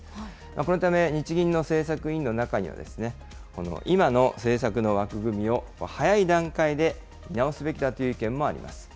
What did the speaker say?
このため日銀の政策委員の中には、今の政策の枠組みを早い段階で見直すべきだという意見もあります。